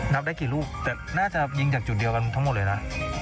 นับได้กี่ลูกแต่น่าจะยิงจากจุดเดียวกันทั้งหมดเลยนะ